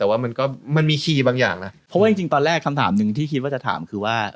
แต่ว่ามันก็มันมีคีย์บางอย่างนะเพราะว่าจริงตอนแรกคำถามหนึ่งที่คิดว่าจะถามคือว่า